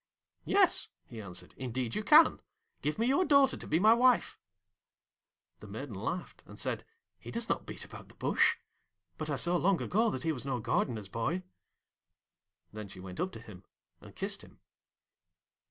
'Yes,' he answered; 'indeed, you can. Give me your daughter to be my wife!' The maiden laughed, and said, 'He does not beat about the bush; but I saw long ago that he was no Gardener's boy.' Then she went up to him and kissed him.